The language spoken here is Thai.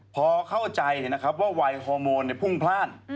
พอเข้าใจนะครับว่าวัยฮอร์โมนพุ่งพลาด